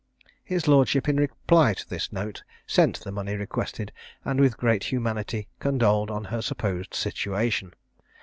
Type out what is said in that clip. His lordship, in reply to this note, sent the money requested, and with great humanity condoled on her supposed situation.